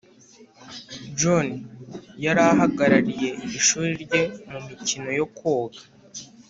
john yari ahagarariye ishuri rye mumikino yo koga.